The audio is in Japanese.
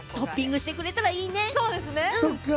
スマートにトッピングしてくれたらいいね。